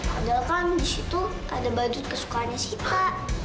padahal kan di situ ada badut kesukaannya sita